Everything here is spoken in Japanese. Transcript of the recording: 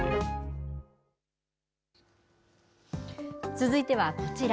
続いてはこちら。